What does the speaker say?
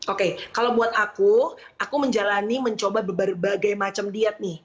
oke kalau buat aku aku menjalani mencoba berbagai macam diet nih